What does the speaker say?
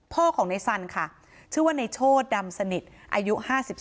พ่อของในสันค่ะชื่อว่าในโชธดำสนิทอายุ๕๒